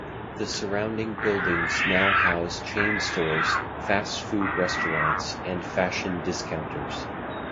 The surrounding buildings now house chain stores, fast-food restaurants, and fashion discounters.